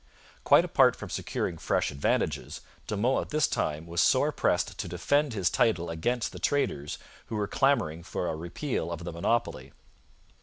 Quite apart from securing fresh advantages, De Monts at this time was sore pressed to defend his title against the traders who were clamouring for a repeal of the monopoly.